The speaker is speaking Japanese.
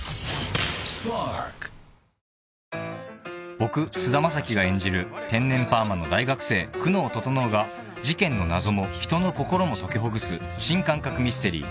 ［僕菅田将暉が演じる天然パーマの大学生久能整が事件の謎も人の心も解きほぐす新感覚ミステリー